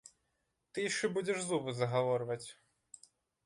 Ты яшчэ будзеш зубы загаворваць!